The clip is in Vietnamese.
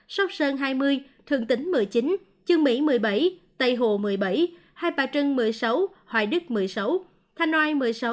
sóc sơn hai mươi thường tính một mươi chín chương mỹ một mươi bảy tây hồ một mươi bảy hai bà trưng một mươi sáu hoài đức một mươi sáu thanh oai một mươi sáu